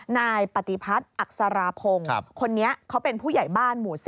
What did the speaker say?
นายปฏิพัฒน์อักษราพงศ์คนนี้เขาเป็นผู้ใหญ่บ้านหมู่๔